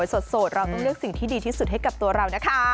สดเราต้องเลือกสิ่งที่ดีที่สุดให้กับตัวเรานะคะ